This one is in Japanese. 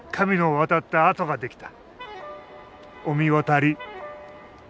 御神渡り。